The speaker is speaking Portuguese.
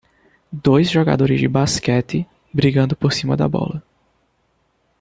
Dois jogadores de basquete, brigando por cima da bola.